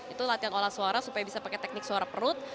itu latihan olah suara supaya bisa pakai teknik suara perut